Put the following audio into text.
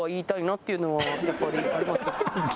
っていうのはやっぱりありますけど。